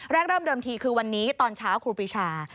เริ่มเดิมทีคือวันนี้ตอนเช้าครูปีชา